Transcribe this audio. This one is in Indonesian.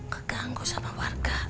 keganggu sama warga